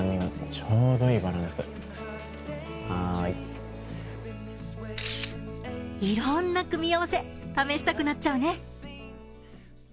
いろんな組み合わせ試したくなっちゃうね。